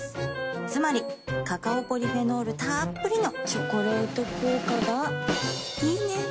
つまりカカオポリフェノールたっぷりの「チョコレート効果」がいいね。